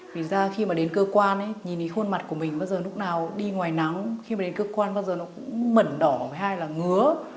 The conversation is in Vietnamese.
vì ra khi mà đến cơ quan nhìn thấy khuôn mặt của mình bây giờ lúc nào đi ngoài nắng khi mà đến cơ quan bao giờ nó cũng mẩn đỏ hay là ngứa